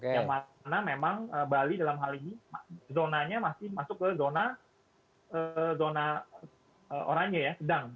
yang mana memang bali dalam hal ini zonanya masih masuk ke zona oranye ya sedang